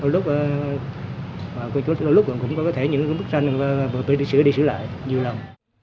đôi lúc cũng có những bức tranh được sửa lại nhiều lần